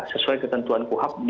sesuai ketentuan kuhab